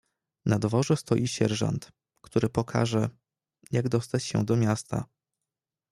"Na dworze stoi sierżant, który pokaże, jak dostać się do miasta."